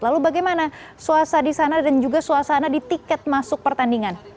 lalu bagaimana suasana di sana dan juga suasana di tiket masuk pertandingan